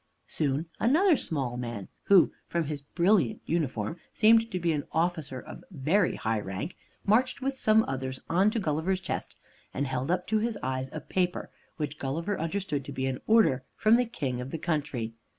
Soon another small man, who from his brilliant uniform seemed to be an officer of very high rank, marched with some others on to Gulliver's chest and held up to his eyes a paper which Gulliver understood to be an order from the King of the country.